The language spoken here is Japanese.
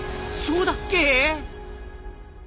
そうだっけ？